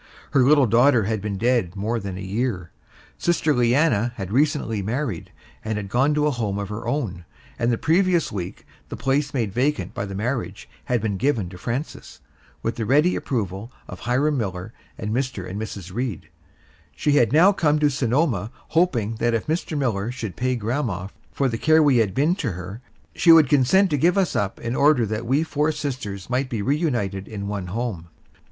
Her little daughter had been dead more than a year. Sister Leanna had recently married and gone to a home of her own, and the previous week the place made vacant by the marriage had been given to Frances, with the ready approval of Hiram Miller and Mr. and Mrs. Reed. She had now come to Sonoma hoping that if Mr. Miller should pay grandma for the care we had been to her, she would consent to give us up in order that we four sisters might be reunited in one home.